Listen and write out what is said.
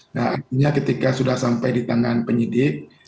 nah artinya ketika sudah sampai di tangan penyidik